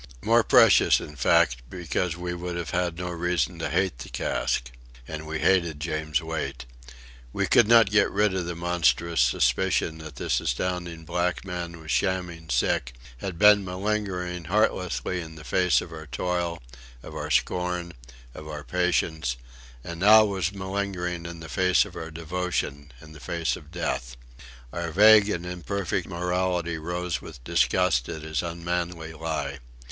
More precious, in fact, because we would have had no reason to hate the cask. And we hated James Wait. We could not get rid of the monstrous suspicion that this astounding black man was shamming sick, had been malingering heartlessly in the face of our toil, of our scorn, of our patience and now was malingering in the face of our devotion in the face of death. Our vague and imperfect morality rose with disgust at his unmanly lie.